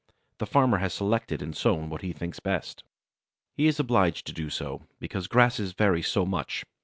The farmer has selected and sown what he thinks best. He is obliged to do so, because grasses vary so much.